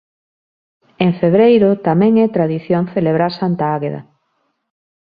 En febreiro tamén é tradición celebrar Santa Agueda.